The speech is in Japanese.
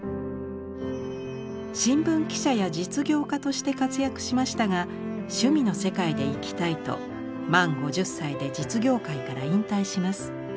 新聞記者や実業家として活躍しましたが趣味の世界で生きたいと満５０歳で実業界から引退します。